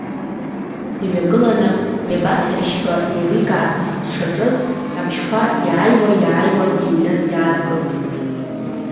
Дҩагыланы, иабацаришь ҳәа еиликаарц дшаҿыз абжьқәа иааиуа, иааиуа иҩны иаадгылт.